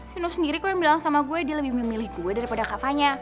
vino sendiri kok yang bilang sama gue dia lebih memilih gue daripada kak vanya